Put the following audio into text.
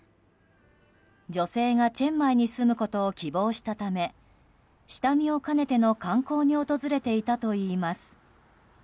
女性がチェンマイに住むことを希望したため下見を兼ねての観光に訪れていたといいます。